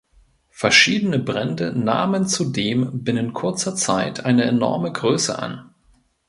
Verschiedene Brände nahmen zudem binnen kurzer Zeit eine enorme Größe an.